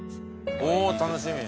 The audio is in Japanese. おぉ楽しみ。